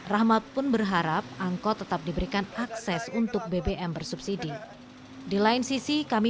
rahmat pun berharap angkot tetap diberikan akses untuk bbm bersubsidi di lain sisi kami